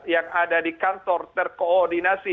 yang ada di kantor terkoordinasi